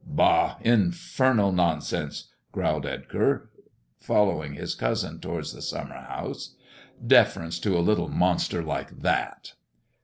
" Bah ! Infernal nonsense," growled Edgar, following his cousin towards the summer house. "Deference to a little monster like that